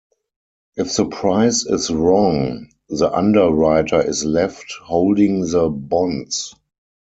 If the price is wrong, the underwriter is left holding the bonds.